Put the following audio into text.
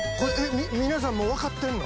皆さん分かってんの？